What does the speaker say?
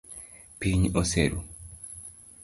Piny oseru.